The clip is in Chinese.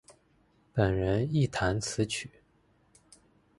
本人亦擅词曲。